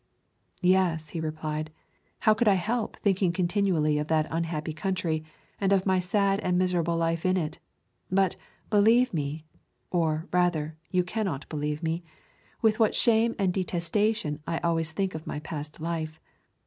Yes, he replied; how could I help thinking continually of that unhappy country and of my sad and miserable life in it; but, believe me, or, rather, you cannot believe me, with what shame and detestation I always think of my past life.